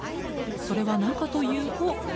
それは何かというと。